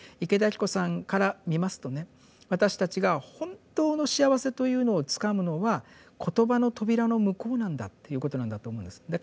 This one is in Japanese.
池田晶子さんから見ますとね私たちが本当の幸せというのをつかむのは言葉の扉の向こうなんだっていうことなんだと思うんです。